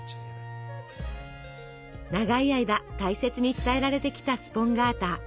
長い間大切に伝えられてきたスポンガータ。